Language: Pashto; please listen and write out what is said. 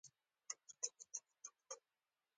يره تصادفاً په امدا شپه بيا شوم.